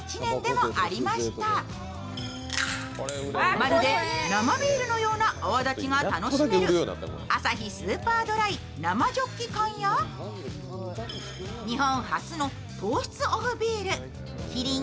まるで生ビールのような泡立ちが楽しめるアサヒスーパードライ生ジョッキ缶や日本初の糖質オフビールキリン